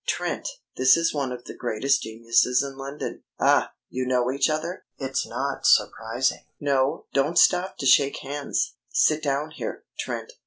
Trent, this is one of the greatest geniuses in London.... Ah! You know each other? It's not surprising! No, don't stop to shake hands. Sit down here, Trent.